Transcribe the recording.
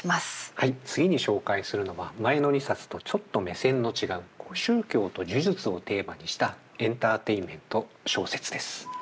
はい次に紹介するのは前の２冊とちょっと目線の違う宗教と呪術をテーマにしたエンターテインメント小説です。